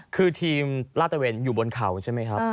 คือทีมลาดตะเวนอยู่บนเขาใช่ไหมครับ